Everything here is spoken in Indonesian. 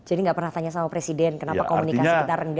jadi nggak pernah tanya sama presiden kenapa komunikasi kita renggang